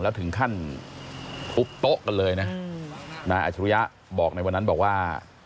แล้วถึงขั้นทุบโต๊ะกันเลยนะนายอัชรุยะบอกในวันนั้นบอกว่า